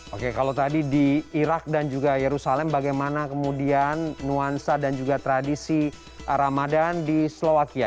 oke kalau tadi di irak dan juga yerusalem bagaimana kemudian nuansa dan juga tradisi ramadan di slovakia